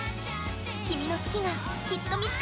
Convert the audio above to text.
君の好きが、きっと見つかる。